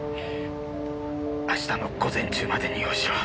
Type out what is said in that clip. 明日の午前中までに用意しろ。